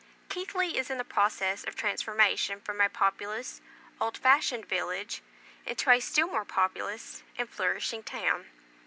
Keighley is in process of transformation from a populous, old fashioned village, into a still more populous and flourishing town.